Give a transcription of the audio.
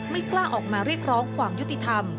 ไม่กล้าออกมาเรียกร้องความยุติธรรม